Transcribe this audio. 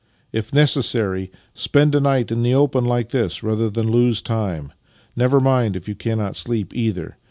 If necessary, spend a night in the open hke this rather than lose time. Never mind if you cannot sleep, either.